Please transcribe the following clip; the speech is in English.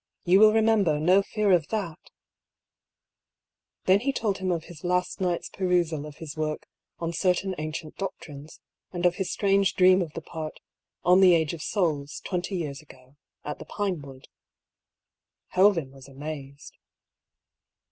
You will remember, no fear of that 1 " Then he told him of his last night's perusal of his work On Certain Ancient Doctrines^ and of his strange dream of the part '< On the Age of Souls," twenty years ago, at the Pinewood. Helven was amazed.